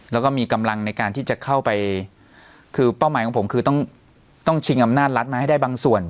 แล้วก็มีกำลังในการที่จะเข้าไปคือเป้าหมายของผมคือต้องชิงอำนาจรัฐมาให้ได้บางส่วน